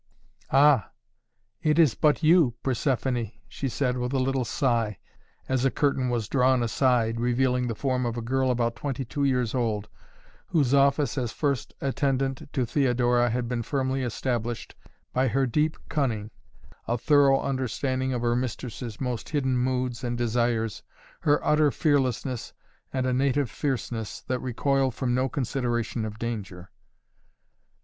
"Ah! It is but you! Persephoné," she said with a little sigh, as a curtain was drawn aside, revealing the form of a girl about twenty two years old, whose office as first attendant to Theodora had been firmly established by her deep cunning, a thorough understanding of her mistress' most hidden moods and desires, her utter fearlessness and a native fierceness, that recoiled from no consideration of danger.